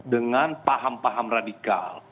dengan paham paham radikal